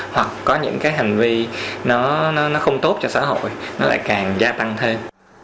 hoặc có những cái hành vi nó không tốt cho xã hội nó lại càng gia tăng thêm